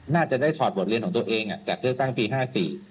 น่าจะได้สอดหัวเรียนของตัวเองจากเดือดตั้งว่าอัลบิน๔